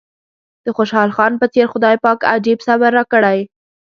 د خوشحال خان په څېر خدای پاک عجيب صبر راکړی.